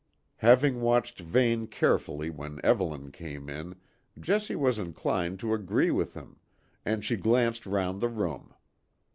Having watched Vane carefully when Evelyn came in, Jessie was inclined to agree with him, and she glanced round the room.